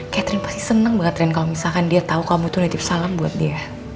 catherine pasti seneng banget ren kalo misalkan dia tau kamu itu natif salam buat dia